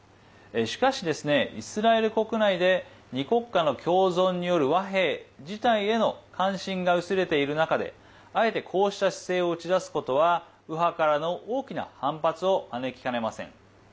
しかし、イスラエル国内で２国家の共存による和平自体への関心が薄れている中であえて、こうした姿勢を打ち出すことは右派からの大きな反発を招きかねません。